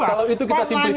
kalau itu kita simplifikasi